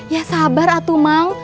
ya sabar atu emang